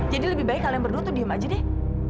jadi lebih baik kalian berdua tuh diem aja deh